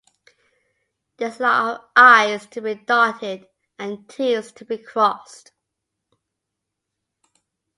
There's a lot of "i"s to be dotted and "t"s to be crossed.